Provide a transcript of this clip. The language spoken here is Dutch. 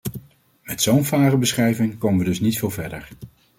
Met zo'n vage omschrijving komen we dus niet veel verder.